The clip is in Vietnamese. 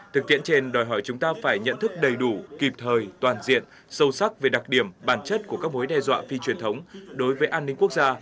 thực tiễn trên đòi hỏi chúng ta phải nhận thức đầy đủ kịp thời toàn diện sâu sắc về đặc điểm bản chất của các mối đe dọa phi truyền thống đối với an ninh quốc gia